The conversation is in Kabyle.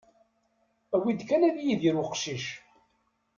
Awid kan ad yidir uqcic.